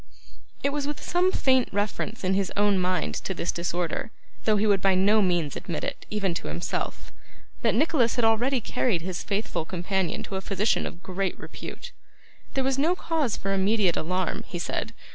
It was with some faint reference in his own mind to this disorder, though he would by no means admit it, even to himself, that Nicholas had already carried his faithful companion to a physician of great repute. There was no cause for immediate alarm, he said.